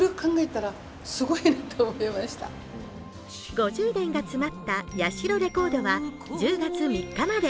５０年が詰まった八代レコードは１０月３日まで。